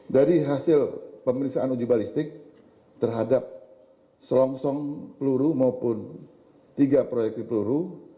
dari hasil pemeriksaan uji balistik terhadap selongsong peluru maupun tiga proyek di peluru